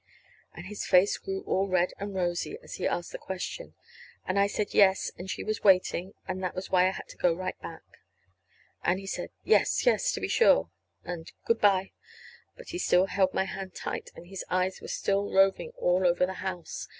And his face grew all red and rosy as he asked the question. And I said yes, and she was waiting, and that was why I had to go back right away. And he said, "Yes, yes, to be sure," and, "good bye." But he still held my hand tight, and his eyes were still roving all over the house.